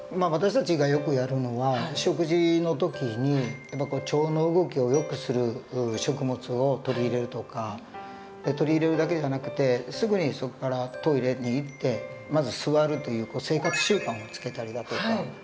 私たちがよくやるのは食事の時に腸の動きをよくする食物を取り入れるとか取り入れるだけじゃなくてすぐにそこからトイレに行ってまず座るという生活習慣をつけたりだとか。